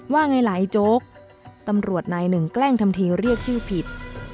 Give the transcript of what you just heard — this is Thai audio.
ว่าไงหลายโจ๊กตำรวจนายหนึ่งแกล้งทำทีเรียกชื่อผิด